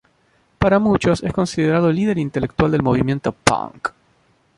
Para muchos es considerado líder intelectual del movimiento punk.